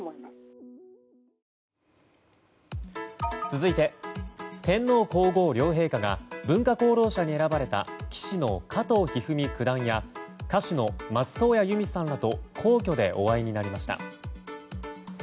続いて天皇・皇后両陛下が文化功労者に選ばれた棋士の加藤一二三九段や歌手の松任谷由実さんらと皇居でお会いになりました。